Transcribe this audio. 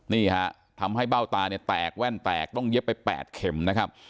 นี่ฮะทำให้เบ้าตาเนี่ยแตกแว่นแตกต้องเย็บไป๘เข็มนะครับ